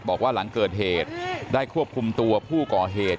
บอกว่าหลังเกิดเหตุได้ควบคุมตัวผู้ก่อเหตุ